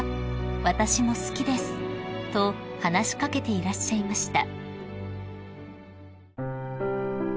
私も好きです」と話し掛けていらっしゃいました］